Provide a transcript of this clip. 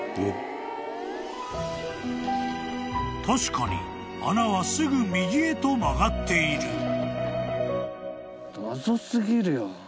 ［確かに穴はすぐ右へと曲がっている］